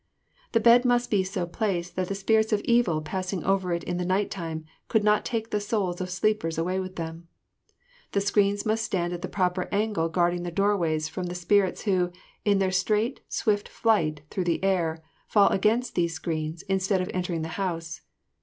The bed must be so placed that the Spirits of Evil passing over it in the night time could not take the souls of sleepers away with them. The screens must stand at the proper angle guarding the doorways from the spirits who, in their straight, swift flight through the air, fall against these screens instead of entering the house.